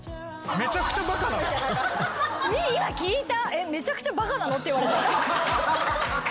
「めちゃくちゃバカなの？」って言われた。